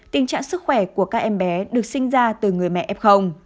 tình trạng sức khỏe của các em bé được sinh ra từ người mẹ f